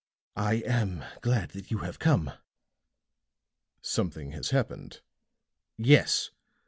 "I am glad that you have come." "Something has happened?" "Yes.